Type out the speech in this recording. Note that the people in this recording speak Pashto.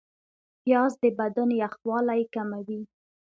پیاز د بدن یخوالی کموي